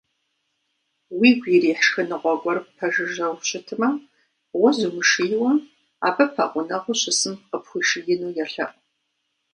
Уигу ирихь шхыныгъуэ гуэр ппэжыжьэу щытмэ, уэ зумышийуэ, абы пэгъунэгъуу щысым къыпхуишиину елъэӏу.